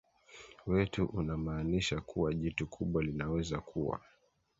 wetu unamaanisha kuwa jitu kubwa linaweza kuwa